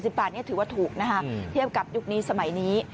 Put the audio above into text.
บาทนี้ถือว่าถูกนะคะเทียบกับยุคนี้สมัยนี้